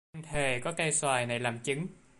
Em thề có cây xoài này làm chứng